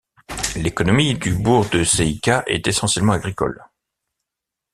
L'économie du bourg de Seika est essentiellement agricole.